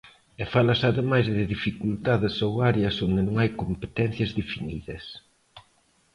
E fálase ademais de dificultades ou áreas onde non hai competencias definidas.